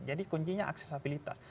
jadi kuncinya aksesibilitas